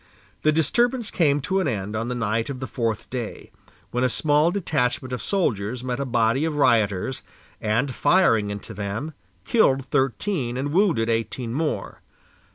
The disturbance came to an end on the night of the fourth day, when a small detachment of soldiers met a body of rioters, and firing into them, killed thirteen, and wounded eighteen more.